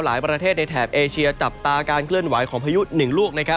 หลายประเทศในแถบเอเชียจับตาการเคลื่อนไหวของพายุหนึ่งลูกนะครับ